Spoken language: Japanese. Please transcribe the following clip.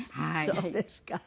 そうですか。